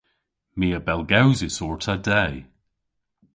My a bellgewsis orta de.